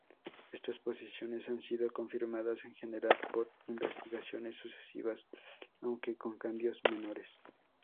Estas posiciones han sido confirmadas en general por investigaciones sucesivas, aunque con cambios menores.